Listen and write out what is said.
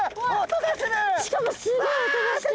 しかもすごい音がしてる！